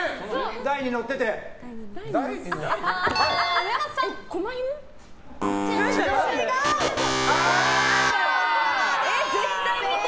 台に乗ってて。